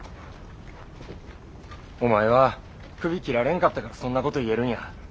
お前は首切られんかったからそんなこと言えるんや。